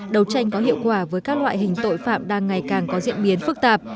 đấu tranh có hiệu quả với các loại hình tội phạm đang ngày càng có diễn biến phức tạp